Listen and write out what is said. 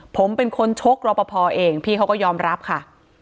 ผมเป็นคนชกรอปภเองพี่เขาก็ยอมรับค่ะ